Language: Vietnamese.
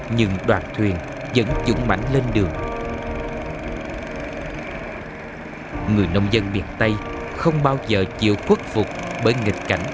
nhưng đoàn thuyền vẫn dũng mạnh hơn như một đoàn tàu lửa đi trên biển nước từ đây ra đến nơi đánh bắt còn xa gió đồng nước nổi lên ngày một lớn nhưng đoàn thuyền vẫn dũng mạnh hơn